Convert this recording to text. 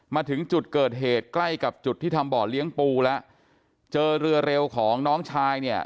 มาถึงจุดเกิดเหตุใกล้กับจุดที่ทำบ่อเลี้ยงปูแล้วเจอเรือเร็วของน้องชายเนี่ย